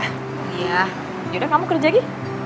yaudah kamu kerja gi